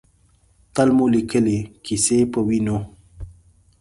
تل مو لیکلې ، کیسه پۀ وینو